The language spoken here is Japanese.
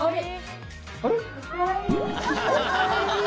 あれ？